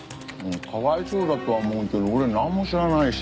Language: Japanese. かわいそうだとは思うけど俺なんも知らないし。